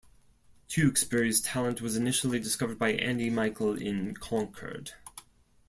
Tewksbury's talent was initially discovered by Andy Michael in Concord.